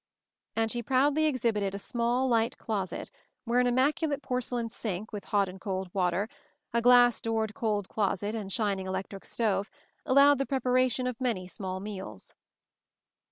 '' And she proudly exhibited a small, light closet, where an immaculate porcelain sink, with hot and cold water, a glass doored "cold closet" and a shining electric stove, allowed the prepara tion of many small meals.